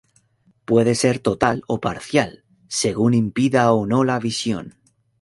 Puede ser total o parcial, según impida o no la visión.